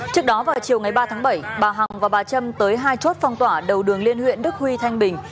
trước đó vào chiều ngày ba tháng bảy bà hằng và bà trâm tới hai chốt phong tỏa đầu đường liên huyện đức huy thanh bình